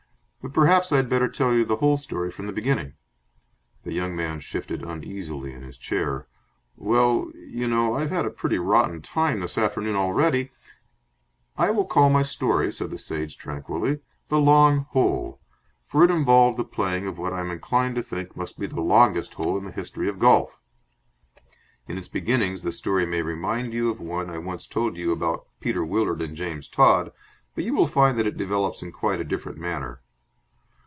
But perhaps I had better tell you the whole story from the beginning." The young man shifted uneasily in his chair. "Well, you know, I've had a pretty rotten time this afternoon already " "I will call my story," said the Sage, tranquilly, "'The Long Hole', for it involved the playing of what I am inclined to think must be the longest hole in the history of golf. In its beginnings the story may remind you of one I once told you about Peter Willard and James Todd, but you will find that it develops in quite a different manner.